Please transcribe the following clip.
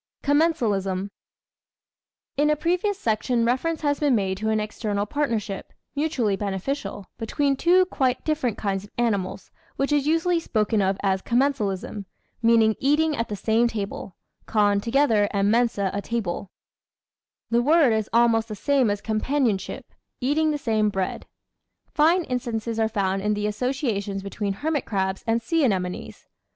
2 Commensalism In a previous section reference has been made to an external partnership, mutually beneficial, between two quite different kinds of animals, which is usually spoken of as "commensalism," meaning eating at the same table (con, together, and mensa, a table) : the word is almost the same as companionship (eating the same bread). Fine instances are found in the associations be tween hermit crabs and sea anemones.